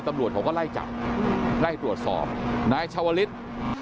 ตำรวจเขาก็ไล่จับไล่ตรวจสอบนายชาวลิศ